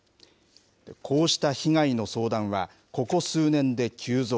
こうした被害の相談は、ここ数年で急増。